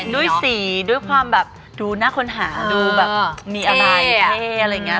ด้วยสีด้วยความดูหน้าคนหาดูแบบมีอะไรเท่อะไรเงี้ย